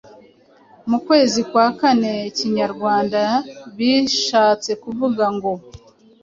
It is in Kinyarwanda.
mu kwezi kwa kane Kinyarwanda bishatse kuvuga ngo